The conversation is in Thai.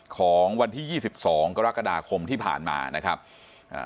ของวันที่๒๒กรกฎาคมที่ผ่านมานะครับอ่า